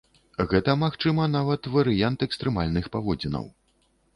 Гэта, магчыма, нават варыянт экстрэмальных паводзінаў.